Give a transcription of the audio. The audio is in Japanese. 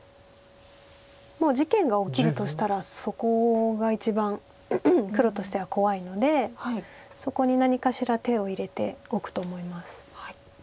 事件が起きるとしたらそこが一番黒としては怖いのでそこに何かしら手を入れておくと思います。